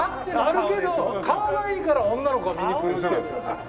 あるけど顔がいいから女の子が見に来るんでしょ。